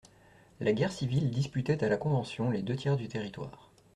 La guerre civile disputait à la Convention les deux tiers du territoire.